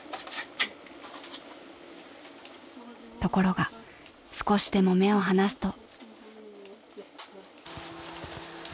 ［ところが少しでも目を離すと］